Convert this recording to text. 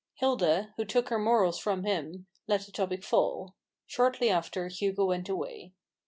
Hilda, svho took her morals from him, let the topic fall. Shortly after Hugo went away.